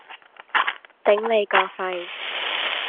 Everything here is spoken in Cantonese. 頂你個肺！